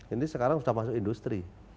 ini sekarang sudah masuk industri